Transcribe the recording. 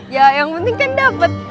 ya yang penting kan dapat